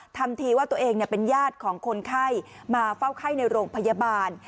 ทำทีว่าตัวเองเป็นญาติของคนไข้มาเฝ้าไข้ในโรงพยาบาล